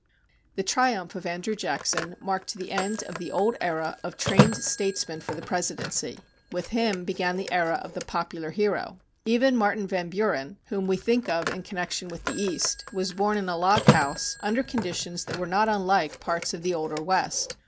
The triumph of Andrew Jackson marked the end of the old era of trained statesmen for the Presidency. With him began the era of the popular hero. Even Martin Van Buren, whom we think of in connection with the East, was born in a log house under conditions that were not unlike parts of the older West.